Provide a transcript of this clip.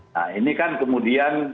nah ini kan kemudian